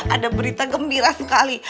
ada berita gembira sekali